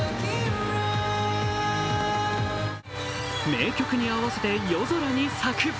名曲に合わせて夜空に咲く。